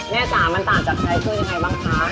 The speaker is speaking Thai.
แม่จ๋ามันต่างจากใจคืออย่างไรบ้างคะ